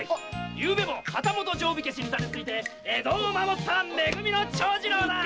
昨夜も旗本定火消しに盾ついて江戸を守っため組の長次郎だ！